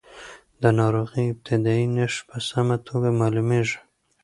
د ناروغۍ ابتدايي نښې په سمه توګه معلومېږي.